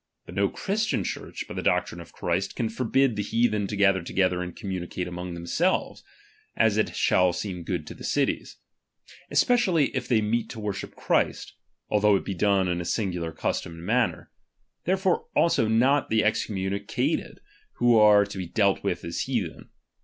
But no Christian Cfmrch, by the doctrine of Christ, can forbid the heathen to gather together and commu nicate among themselves, as it shall seem good to their cities ; especially if they meet to worship Christ, although it be done in a singular custom and manner : therefore also not the excommunica ted, who are to be dealt with as heathen.